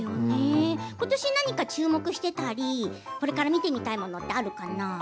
ことし、何か注目していたりこれから見てみたいものってあるかな？